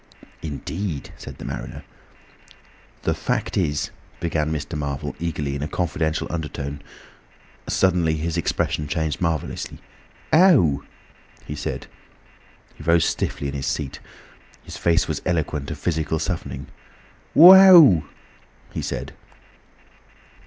"Indeed!" said the mariner. "The fact is," began Mr. Marvel eagerly in a confidential undertone. Suddenly his expression changed marvellously. "Ow!" he said. He rose stiffly in his seat. His face was eloquent of physical suffering. "Wow!" he said.